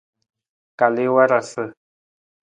Kal i warasa.